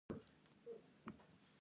آیا وریجې ډیرو اوبو ته اړتیا لري؟